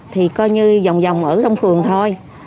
thì coi như dòng dòng ở trong phường thôi